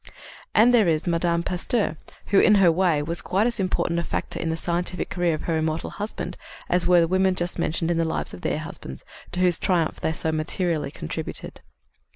And there is Mme. Pasteur, who, in her way, was quite as important a factor in the scientific career of her immortal husband as were the women just mentioned in the lives of their husbands, to whose triumphs they so materially contributed.